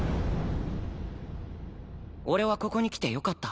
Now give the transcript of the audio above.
俺はここに来てよかった。